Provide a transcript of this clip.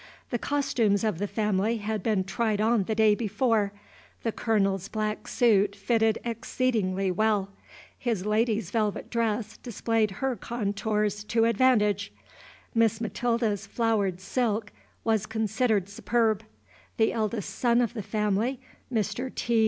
The costumes of the family had been tried on the day before: the Colonel's black suit fitted exceedingly well; his lady's velvet dress displayed her contours to advantage; Miss Matilda's flowered silk was considered superb; the eldest son of the family, Mr. T.